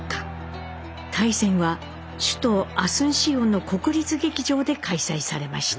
対戦は首都アスンシオンの国立劇場で開催されました。